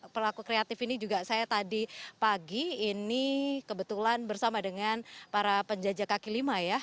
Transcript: pelaku kreatif ini juga saya tadi pagi ini kebetulan bersama dengan para penjajah kaki lima ya